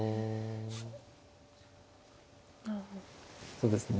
そうですね。